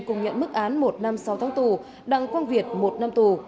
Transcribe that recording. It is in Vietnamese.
cùng nhận mức án một năm sau tháng tù đặng quang việt một năm tù